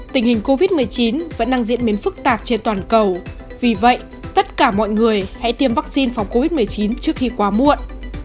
tình hình covid một mươi chín vẫn đang diễn biến phức tạp trên toàn cầu vì vậy tất cả mọi người hãy tiêm vaccine phòng covid một mươi chín trước khi quá muộn